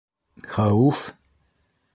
Хәүеф?!